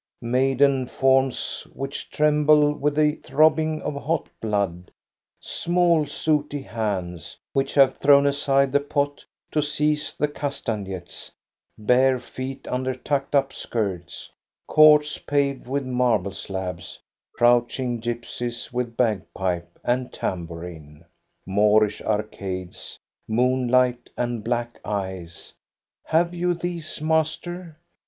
Maiden forms, which tremble with the throbbing of hot blood, small sooty hands, which have thrown aside the pot to seize the castanets, bare feet under tucked up skirts, courts paved with marble slabs, crouching gypsies with bagpipe, and tambourine, Moorish arcades, moonlight, and black eyes, — have you these, master?